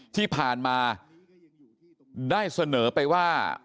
ที่ผ่านมาได้เสนอไปว่า